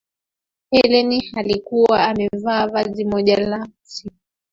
helen alikuwa amevaa vazi moja la usiku